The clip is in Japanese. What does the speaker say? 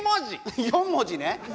４文字ね。